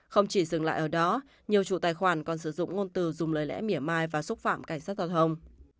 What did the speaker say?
không chỉ dừng lại ở đó nhiều chủ tài khoản còn sử dụng ngôn từ dùng lời lẽ mỉa mai và xúc phạm cảnh sát giao thông